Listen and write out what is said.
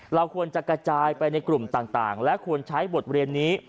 เราควรจะกระจายไปในกลุ่มต่างและควรใช้บทเรียนนี้